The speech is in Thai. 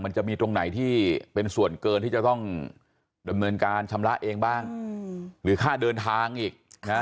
มันจะมีตรงไหนที่เป็นส่วนเกินที่จะต้องดำเนินการชำระเองบ้างหรือค่าเดินทางอีก